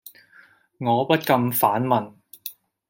我不禁反問